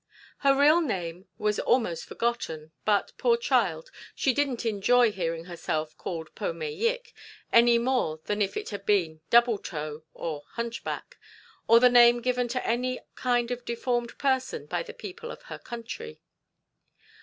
Her real name was almost forgotten, but, poor child, she didn't enjoy hearing herself called Pome Yik any more than if it had been "double toe" or "hunchback," or the name given to any kind of deformed person by the people of her country.